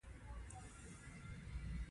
نو د وخت په تېرېدو سره به خپل سپر کوز کړي.